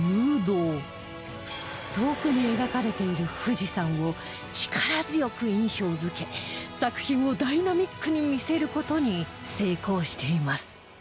遠くに描かれている富士山を力強く印象付け作品をダイナミックに見せる事に成功しています